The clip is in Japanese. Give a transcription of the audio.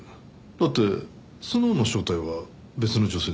だってスノウの正体は別の女性ですから。